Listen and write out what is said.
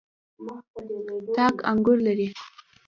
تاک انګور لري.